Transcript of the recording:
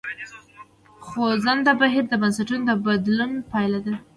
خوځنده بهیر د بنسټونو د بدلون پایله وه.